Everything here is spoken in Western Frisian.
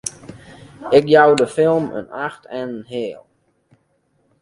Ik jou de film in acht en in heal!